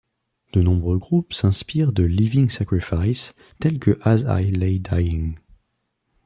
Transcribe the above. De nombreux groupes s'inspirent de Living Sacrifice tels que As I Lay Dying.